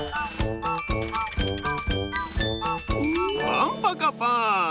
パンパカパーン！